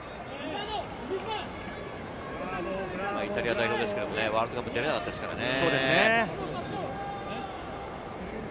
イタリア代表ですけれども、ワールドカップ出られなかったですからね。